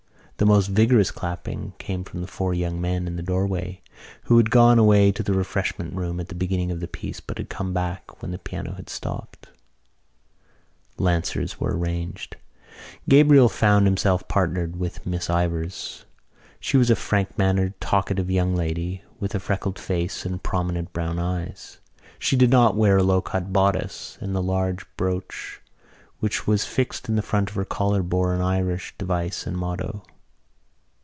The most vigorous clapping came from the four young men in the doorway who had gone away to the refreshment room at the beginning of the piece but had come back when the piano had stopped. Lancers were arranged. Gabriel found himself partnered with Miss Ivors. She was a frank mannered talkative young lady, with a freckled face and prominent brown eyes. She did not wear a low cut bodice and the large brooch which was fixed in the front of her collar bore on it an Irish device and motto.